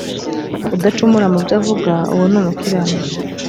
udacumura mu byo avuga uwo ni umukiranutsi